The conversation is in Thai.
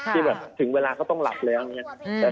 ที่ถึงเวลาก็ต้องหลับเลยนะครับ